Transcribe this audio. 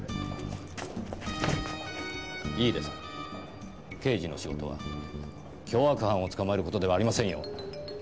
いいですか刑事の仕事は凶悪犯を捕まえることではありませんよ。